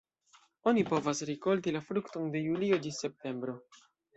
Oni povas rikolti la frukton de julio ĝis septembro.